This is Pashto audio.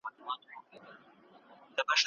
شل او دېرش کاله پخوا یې ښخولم